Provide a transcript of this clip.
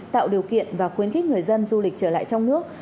tạo điều kiện và khuyến khích người dân du lịch trở lại trong nước